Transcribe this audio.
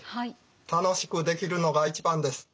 楽しくできるのが一番です。